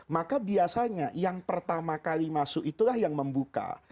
maka biasanya yang pertama kali masuk itulah yang membuka